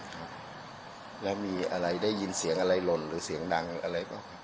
ครับแล้วมีอะไรได้ยินเสียงอะไรหล่นหรือเสียงดังอะไรบ้าง